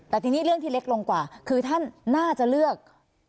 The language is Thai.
แต่ทีนี้เรื่องที่เล็กลงกว่าคือท่านน่าจะเลือก